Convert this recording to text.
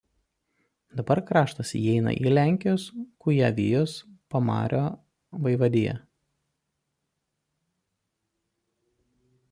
Dabar kraštas įeina į Lenkijos Kujavijos Pamario vaivadiją.